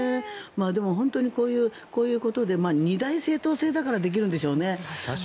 でも、こういうことで二大政党制だからできるんでしょうね。